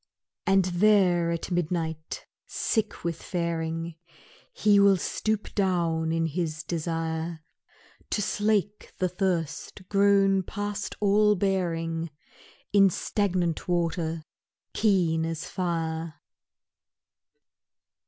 And there at midnight sick with faring, He will stoop down in his desire To slake the thirst grown past all bearing In stagnant water keen as fire.